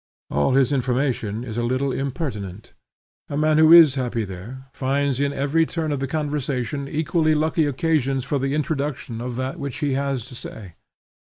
All his information is a little impertinent. A man who is happy there, finds in every turn of the conversation equally lucky occasions for the introduction of that which he has to say.